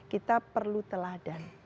kita perlu teladan